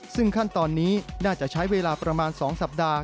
ซึ่งขั้นตอนนี้น่าจะใช้เวลาประมาณ๒สัปดาห์